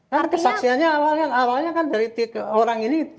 karena kesaksianya awalnya kan dari orang ini